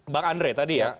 bang andre tadi ya